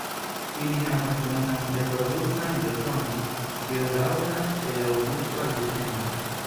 Ili havas longan reproduktan sezonon, kio daŭras el aŭgusto al decembro.